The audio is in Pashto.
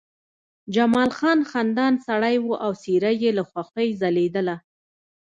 جمال خان خندان سړی و او څېره یې له خوښۍ ځلېدله